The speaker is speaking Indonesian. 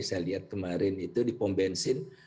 saya lihat kemarin itu di pom bensin